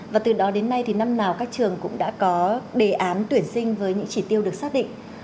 và từ đó đến nay thì năm nào các trường cũng đã có đề án tuyển sinh với những chỉ tiêu được xác định